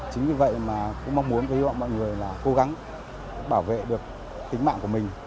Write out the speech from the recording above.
chính vì vậy mà cũng mong muốn và hy vọng mọi người là cố gắng bảo vệ được tính mạng của mình